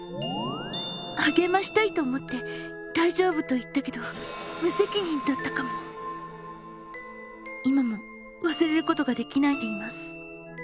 励ましたいと思って「大丈夫」と言ったけど今もわすれることができないでいます。